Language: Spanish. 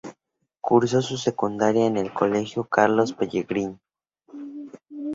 Cursó su secundaria en el colegio Carlos Pellegrini.